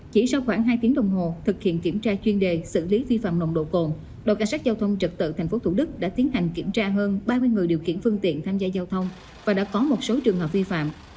chỉ sau khoảng hai tiếng đồng hồ thực hiện kiểm tra chuyên đề xử lý vi phạm nồng độ cồn đội cảnh sát giao thông trật tự tp thủ đức đã tiến hành kiểm tra hơn ba mươi người điều khiển phương tiện tham gia giao thông và đã có một số trường hợp vi phạm